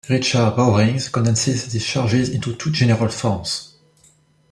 Richard Bowring condenses these charges into two general forms.